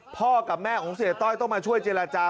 พ่อกับแม่ของเสียต้อยต้องมาช่วยเจรจา